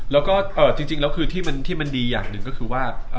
แล้วก็จริงแล้วคือที่มันดีอย่างหนึ่งก็คือว่า